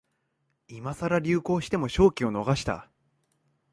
今さら流行しても商機を逃した